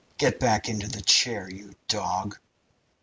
Get back into the chair, you dog!